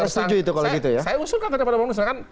saya usulkan kepada bang nusra